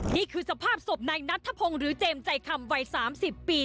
นี่คือสภาพศพนายนัทธพงศ์หรือเจมส์ใจคำวัย๓๐ปี